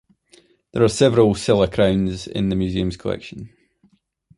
There are several Silla crowns in the museum's collection.